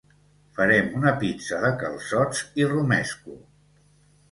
Farem una pizza de calçots i romesco.